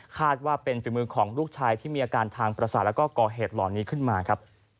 คาดว่าเป็นฝีมือของลูกชายที่มีอาการทางประสาทและก่อเหตุหล่อนนี้ขึ้นมา